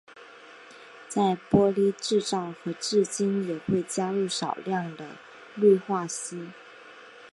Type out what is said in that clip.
在玻璃制造和冶金也会加入少量的氯化锶。